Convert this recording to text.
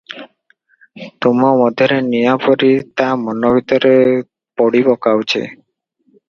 ତୁମ ମଧ୍ୟରେ ନିଆଁ ପରି ତା ମନ ଭିତରେ ପୋଡ଼ି ପକାଉଛି ।